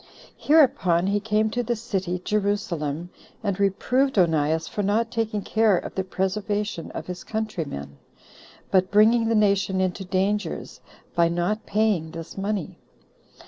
Hereupon he came to the city [Jerusalem], and reproved Onias for not taking care of the preservation of his countrymen, but bringing the nation into dangers, by not paying this money.